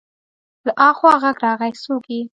له اخوا غږ راغی: څوک يې؟